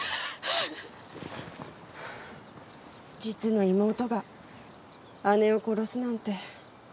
実の妹が姉を殺すなんて。